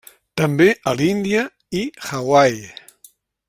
També a l'Índia i Hawaii.